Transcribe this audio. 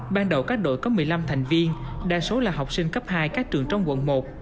ban đầu các đội có một mươi năm thành viên đa số là học sinh cấp hai các trường trong quận một